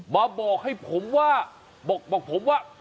มาบอกให้ผมว่าบอกผมว่า